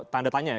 tanda tanya ya